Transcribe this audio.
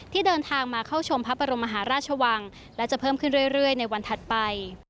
ที่เดินทางมาเข้าชมพระบรมมหาราชวังและจะเพิ่มขึ้นเรื่อยในวันถัดไป